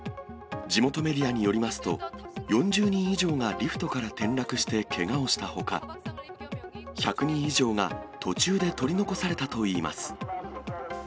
地元メディアによりますと、４０人以上がリフトから転落してけがをしたほか、１００人以上が途中で取り残されたといいます。